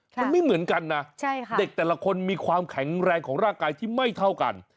มันไม่เหมือนกันนะเด็กแต่ละคนมีความแข็งแรงของร่างกายที่ไม่เท่ากัน